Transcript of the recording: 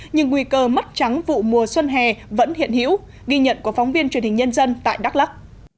nhưng nguy cơ mất trắng vụ mùa xuân hè vẫn hiện hữu ghi nhận của phóng viên truyền hình nhân dân tại đắk lắc